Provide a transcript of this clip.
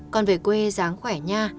con về quê dáng khỏe nha